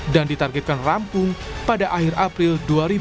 dan ditargetkan rampung pada akhir april dua ribu dua puluh empat